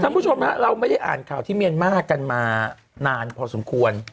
ผู้ชมฮะเราไม่ได้อ่านข่าวที่เมียนมาร์กันมานานพอสมควร